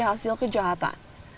berarti hasil kejahatan